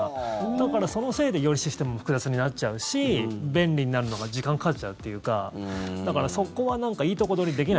だから、そのせいでよりシステムも複雑になっちゃうし便利になるのが時間がかかっちゃうっていうかだから、そこはいいとこ取りできない。